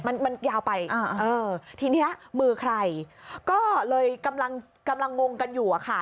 มันยาวไปเออทีนี้มือใครก็เลยกำลังงงกันอยู่อะค่ะ